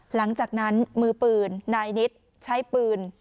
หลังจากนั้นมือปืนนายนิดใช้ปืน